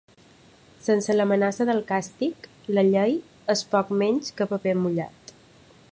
Sense l’amenaça del càstig, la llei és poc menys que paper mullat.